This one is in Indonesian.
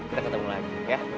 kita ketemu lagi ya